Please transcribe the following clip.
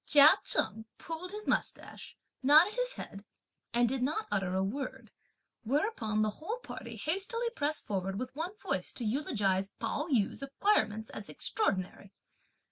Chia Cheng pulled his moustache, nodded his head and did not utter a word; whereupon the whole party hastily pressed forward with one voice to eulogize Pao yü's acquirements as extraordinary.